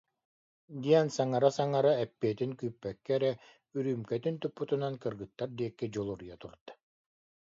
диэн саҥара-саҥара, эппиэтин күүппэккэ эрэ, үрүүмкэтин туппутунан кыргыттар диэки дьулуруйа турда